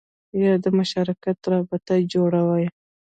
یا د مشارکت رابطه جوړوي